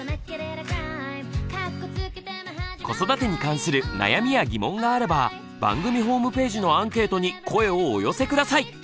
子育てに関する悩みや疑問があれば番組ホームページのアンケートに声をお寄せ下さい。